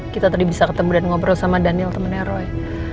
kita tadi bisa ketemu dan ngobrol sama daniel temennya roy